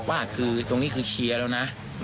ว่าคือตรงนี้คือเชียร์แล้วนะ